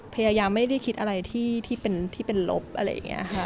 พยายามไม่ได้คิดอะไรที่เป็นลบอะไรอย่างนี้ค่ะ